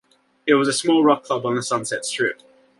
It was a small rock club on the Sunset Strip.